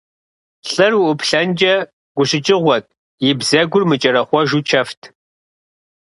ЛӀыр уӀуплъэнкӀэ гущыкӀыгъуэт, и бзэгур мыкӀэрэхъуэжу чэфт.